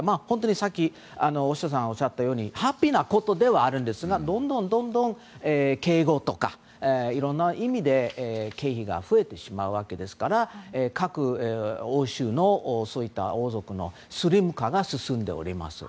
さっき大下さんがおっしゃったようにハッピーなことではあるんですがどんどん警護とか、いろんな意味で経費が増えてしまうわけですから各欧州の王族のスリム化が進んでおります。